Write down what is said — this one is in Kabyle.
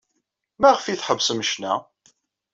Maɣef ay tḥebsem ccna?